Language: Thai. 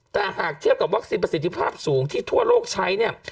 แต่หากเทียบกับวัคซีนประสิทธิภาพสูงที่ทั่วโลกใช้เนี่ย